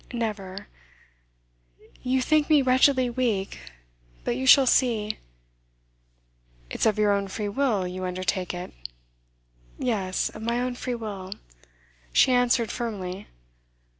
'Never. You think me wretchedly weak, but you shall see ' 'It's of your own free will you undertake it?' 'Yes, of my own free will,' she answered firmly.